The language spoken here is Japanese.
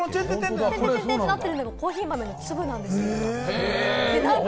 点、点、点となっているのは、コーヒー豆の粒なんです。